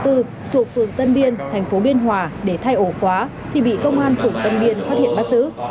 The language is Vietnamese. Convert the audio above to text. thuộc phường tân biên thành phố biên hòa để thay ổ khóa thì bị công an phường tân biên phát hiện bắt giữ